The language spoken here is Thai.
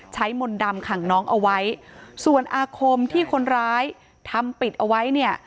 มนต์ดำขังน้องเอาไว้ส่วนอาคมที่คนร้ายทำปิดเอาไว้เนี่ย